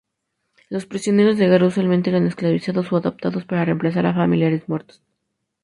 Los prisioneros de guerra usualmente eran esclavizados o "adoptados" para reemplazar a familiares muertos.